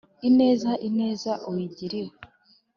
ineza ineza uyigiriwe